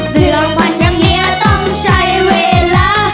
เรื่องพันธุ์อย่างเนี่ยต้องใช้เวลา